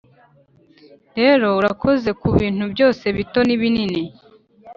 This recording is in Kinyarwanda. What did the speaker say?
rero, urakoze kubintu byose, bito n'ibinini,